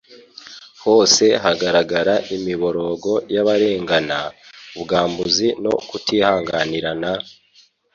hose hagaragaraga imiborogo y'abarengana, ubwambuzi no kutihanganirana,